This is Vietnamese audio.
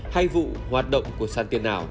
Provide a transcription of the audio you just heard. hay vụ hoạt động của sàn tiền nào